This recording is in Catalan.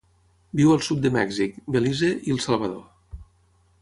Viu al sud de Mèxic, Belize i El Salvador.